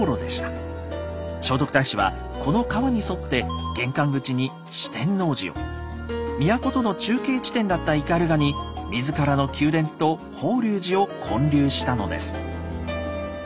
聖徳太子はこの川に沿って玄関口に四天王寺を都との中継地点だった斑鳩に自らの宮殿と法隆寺を建立したのです。